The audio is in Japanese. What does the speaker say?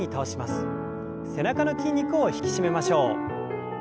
背中の筋肉を引き締めましょう。